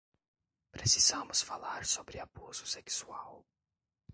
Precisamos falar sobre abuso sexual